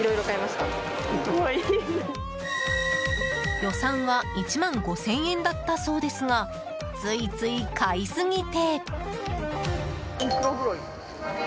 予算は１万５０００円だったそうですがついつい買いすぎて。